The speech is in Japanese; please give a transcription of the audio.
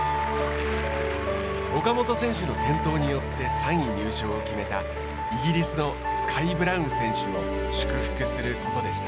岡本選手の転倒によって３位入賞を決めたイギリスのスカイ・ブラウン選手を祝福することでした。